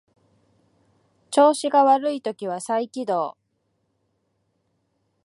調子が悪い時は再起動